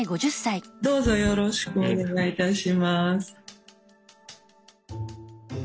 どうぞよろしくお願い致します。